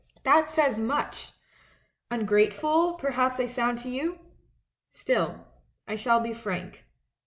That says much ! Ungrateful, perhaps I sound to you? Still, I shall be frank.